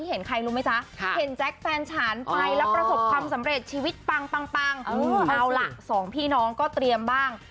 เอาล่ะสองพี่น้องก็เตรียมบ้าง